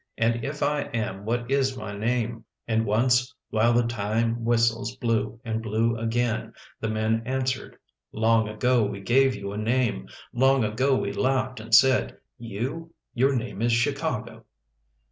And if I am what is my name? And once while the time whistles blew and blew again The men answered : Long ago we gave you a name. Long ago we laughed and said: You? Your name is Chicago.